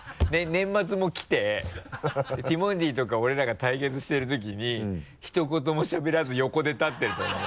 年末も来てティモンディとか俺らが対決してるときにひと言もしゃべらず横で立ってる。